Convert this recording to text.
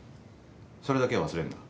それだけは忘れんな。